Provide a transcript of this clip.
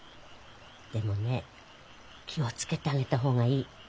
でもね気を付けてあげた方がいい。